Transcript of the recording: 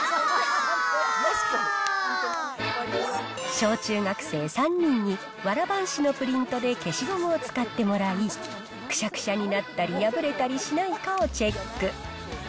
小中学生３人に、わら半紙のプリントで消しゴムを使ってもらい、くしゃくしゃになったり破れたりしないかをチェック。